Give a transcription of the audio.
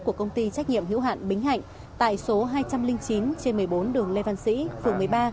của công ty trách nhiệm hữu hạn bính hạnh tại số hai trăm linh chín trên một mươi bốn đường lê văn sĩ phường một mươi ba